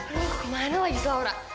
lu ke mana lagi laura